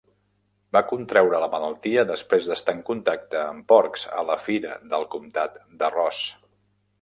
Va contreure la malaltia després d'estar en contacte amb porcs a la fira del comtat de Ross.